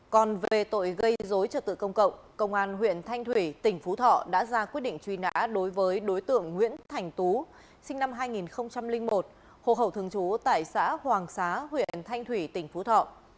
còn về tội gây dối trật tự công cộng công an huyện thanh thủy tỉnh phú thọ đã ra quyết định truy nã đối với đối tượng nguyễn thành tú sinh năm hai nghìn một hồ hậu thường trú tại xã hoàng xá huyện thanh thủy tỉnh phú thọ